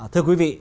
thưa quý vị